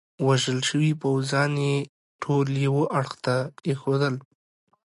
وژل شوي پوځیان يې ټول یوه اړخ ته ایښودل.